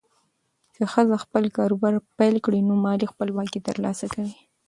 که ښځه خپل کاروبار پیل کړي، نو مالي خپلواکي ترلاسه کوي.